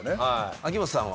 秋元さんは？